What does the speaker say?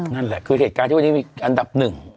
นั่นแหละคือเหตุการณ์ที่วันนี้มีอันดับหนึ่ง